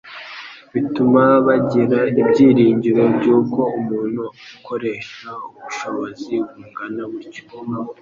bituma bagira ibyiringiro by'uko umuntu ukoresha ubushobozi bungana butyo